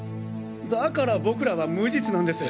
だから僕らは無実なんです。